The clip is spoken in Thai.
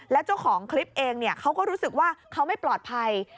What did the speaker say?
แล้วเจ้าของคลิปเองเขาก็รู้สึกว่าเขาไม่ปลอดภัย